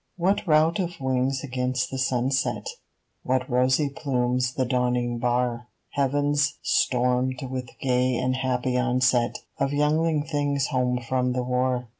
What rout of wings against the sunset ? What rosy plumes the dawning bar ? Heaven's stormed with gay and happy onset Of youngling things home from the War.